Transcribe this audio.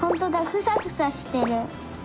フサフサしてる！